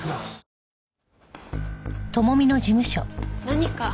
何か？